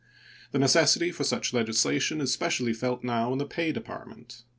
The necessity for such legislation is specially felt now in the Pay Department.